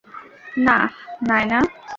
না, নায়না।